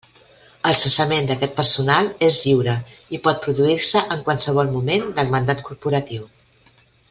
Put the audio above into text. El cessament d'aquest personal és lliure i pot produir-se en qualsevol moment del mandat corporatiu.